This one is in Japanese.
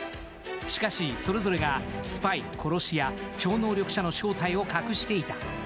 しかし、それぞれがスパイ、殺し屋、超能力者の正体を隠していた。